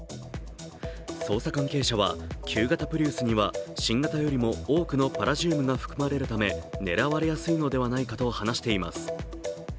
捜査関係者は、旧型プリウスには新型よりも多くのパラジウムが含まれるため狙われやすいのではないかと話しています。